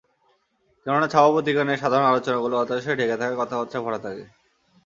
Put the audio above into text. কেননা, ছাপা পত্রিকা নিয়ে সাধারণ আলোচনাগুলো হতাশায় ছেয়ে থাকা কথাবার্তায় ভরা থাকে।